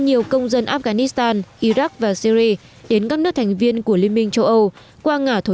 nhiều công dân afghanistan iraq và syri đến các nước thành viên của liên minh châu âu qua ngã thổ